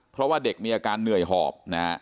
เพราะว่าเด็กมีอาการเหนื่อยหอบนะฮะ